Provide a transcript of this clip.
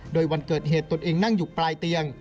โดยวันเกิดเหตุตนเองนั่งอยู่ปลายเตียง